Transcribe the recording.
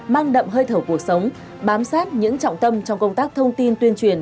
mang đậm hơi thở cuộc sống bám sát những trọng tâm trong công tác thông tin tuyên truyền